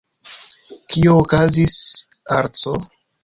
Kio okazis al C!?